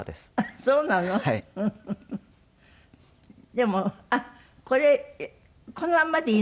でもあっこれこのまんまでいいのね。